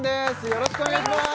よろしくお願いします